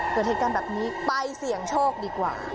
เกิดเหตุการณ์แบบนี้ไปเสี่ยงโชคดีกว่า